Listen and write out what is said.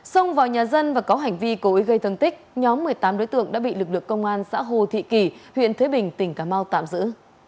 xông vào nhà dân và có hành vi cố ý gây thân tích nhóm một mươi tám đối tượng đã bị lực lượng công an xã hồ thị kỷ huyện thế bình tỉnh cà mau tạm giữ